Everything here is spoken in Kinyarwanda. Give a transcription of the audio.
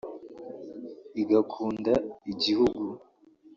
igakunda igihugu